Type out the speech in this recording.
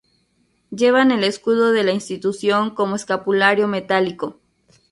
Llevan el escudo de la institución como escapulario metálico.